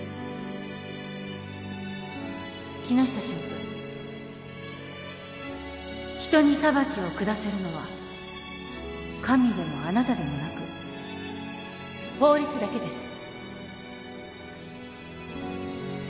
木下神父人に裁きを下せるのは神でもあなたでもなく法律だけです。